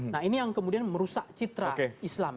nah ini yang kemudian merusak citra islam